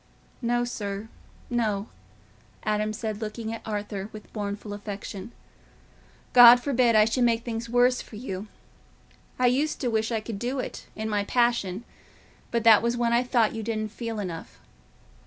"No, sir, no," Adam said, looking at Arthur with mournful affection. "God forbid I should make things worse for you. I used to wish I could do it, in my passion—but that was when I thought you didn't feel enough.